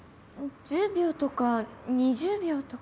１０秒とか２０秒とか。